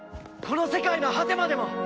この世界の果てまでも！